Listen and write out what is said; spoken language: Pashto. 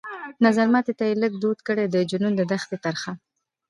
نظرمات ته يې لږ دود کړى د جنون د دښتي ترخه